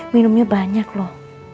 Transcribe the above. minumnya banyak loh